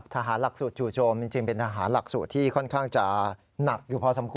ทหารหลักสูตรจู่โจมจริงเป็นทหารหลักสูตรที่ค่อนข้างจะหนักอยู่พอสมควร